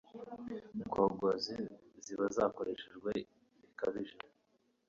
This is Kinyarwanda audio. ngogozi ziba zakoreshejwe bikabije